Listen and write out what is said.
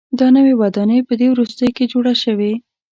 دا نوې ودانۍ په دې وروستیو کې جوړه شوې.